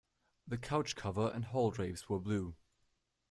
The couch cover and hall drapes were blue.